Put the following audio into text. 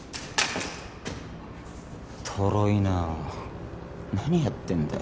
とろいな何やってんだよ。